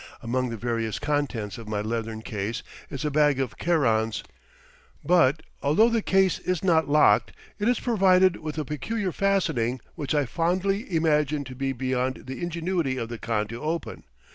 Among the various contents of my leathern case is a bag of kerans; but, although the case is not locked, it is provided with a peculiar fastening which I fondly imagine to be beyond the ingenuity of the khan to open.